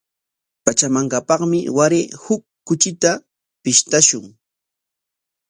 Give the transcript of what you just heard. Pachamankapaqmi waray huk kuchita pishqashun.